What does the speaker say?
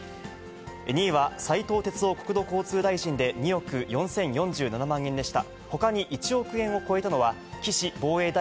２位は斉藤鉄夫国土交通大臣で、２億４０４７万円でした。